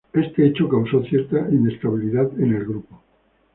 Este hecho causó cierta inestabilidad en el grupo.